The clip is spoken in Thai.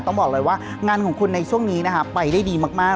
ต้องบอกเลยว่างานของคุณในช่วงนี้นะคะไปได้ดีมาก